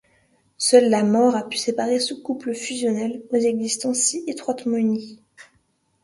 Seule la mort a pu séparer ce couple fusionnel aux existences si étroitement unies.